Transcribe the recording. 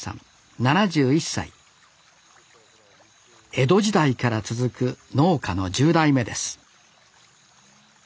江戸時代から続く農家の１０代目です